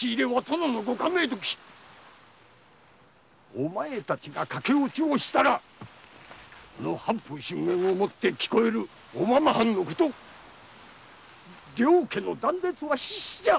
お前たちが駆け落ちをしたら藩風峻厳をもってきこえる小浜藩のこと両家の断絶は必至じゃ！